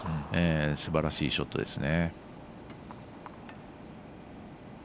すばらしいショットですね。